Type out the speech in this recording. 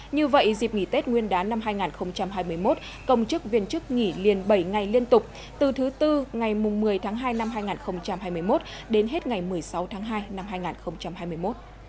như vậy dịp nghỉ tết nguyên đán năm hai nghìn hai mươi một công chức viên chức nghỉ liền bảy ngày liên tục từ thứ tư ngày một mươi tháng hai năm hai nghìn hai mươi một đến hết ngày một mươi sáu tháng hai năm hai nghìn hai mươi một